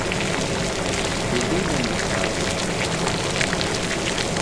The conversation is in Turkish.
Dedirmemek lazımdı.